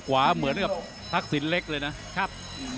ตามต่อยกสุดท้ายครับ